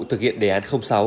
thực hiện đề án sáu